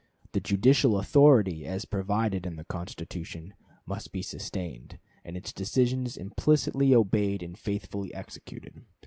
The judicial authority, as provided in the Constitution, must be sustained, and its decisions implicitly obeyed and faithfully executed.